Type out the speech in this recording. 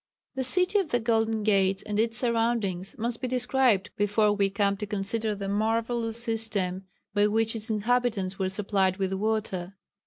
The "City of the Golden Gates" and its surroundings must be described before we come to consider the marvellous system by which its inhabitants were supplied with water.